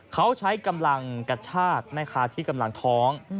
เขาใช้กำลังกัชชาติที่กำลังท้อง